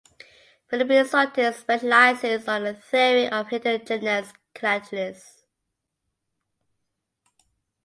Philippe Sautet specialises on the theory of heterogeneous catalysis.